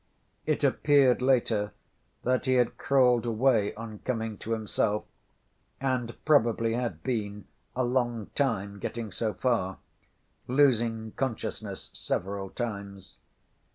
It appeared later, that he had crawled away on coming to himself, and probably had been a long time getting so far, losing consciousness several times.